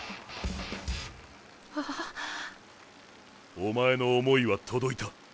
おまえの想いは届いた。